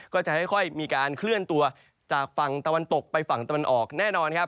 ก็จะค่อยมีการเคลื่อนตัวจากฝั่งตะวันตกไปฝั่งตะวันออกแน่นอนครับ